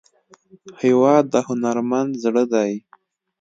هېواد د هنرمند زړه دی.